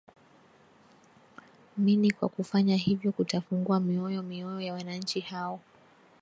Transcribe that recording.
mini kwa kufanya hivyo kutafungua mioyo mioyo ya wananchi hao